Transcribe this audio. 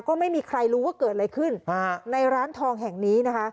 ก็ไม่มีใครรู้ว่าเกิดอะไรขึ้นฮะในร้านทองแห่งนี้นะคะ